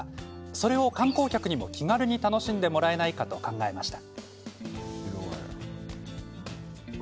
それを観光客にも気軽に楽しんでもらえないかと考えました。